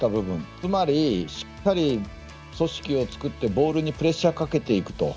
つまり、しっかり組織を作ってボールにプレッシャーをかけていくと。